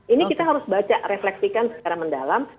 ini kita harus baca refleksikan secara mendalam